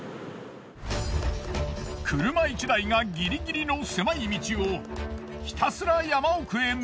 車１台がギリギリの狭い道をひたすら山奥へ向かうと。